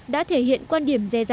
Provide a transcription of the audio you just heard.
đã thể hiện quan điểm